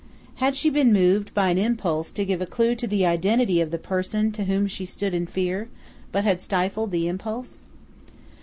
Had she been moved by an impulse to give a clue to the identity of the person of whom she stood in fear, but had stifled the impulse?